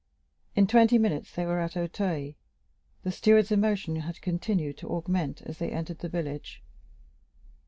In twenty minutes they were at Auteuil; the steward's emotion had continued to augment as they entered the village.